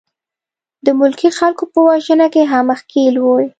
د ملکي خلکو په وژنه کې هم ښکېل وې.